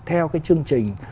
theo cái chương trình